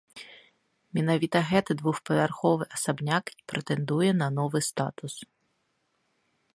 Менавіта гэты двухпавярховы асабняк і прэтэндуе на новы статус.